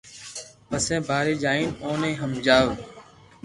پپسي ٻاري جائين اوني ھمجاوئي